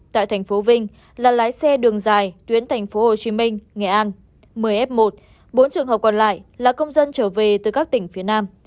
tại thành phố vinh là lái xe đường dài tuyến thành phố hồ chí minh nghệ an một mươi f một bốn trường hợp còn lại là công dân trở về từ các tỉnh phía nam